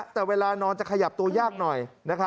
แต่เวลานอนจะขยับตัวยากหน่อย